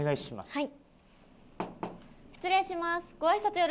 はい。